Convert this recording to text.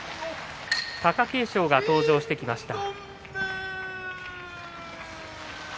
貴景勝が登場してきました。